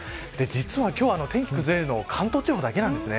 実は今日、天気が崩れるのは関東地方だけなんです。